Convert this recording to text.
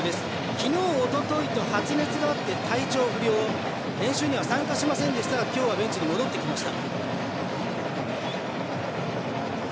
昨日、おとといと発熱があって体調不良、練習には参加しませんでしたが今日はベンチに戻ってきました。